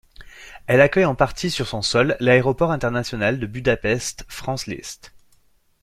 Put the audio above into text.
Elle accueille en partie sur son sol l'Aéroport international de Budapest-Franz Liszt.